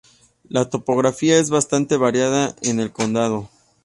La topografía es bastante variada en el condado.